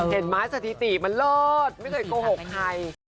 เห็นไหมสถิติมันเลิศไม่เคยโกหกใคร